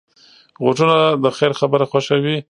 غوږونه د خیر خبره خوښوي